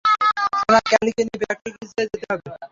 সোনা, ক্যালিকে নিয়ে প্র্যাকটিসে যেতে হবে।